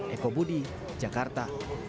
eko budi jakarta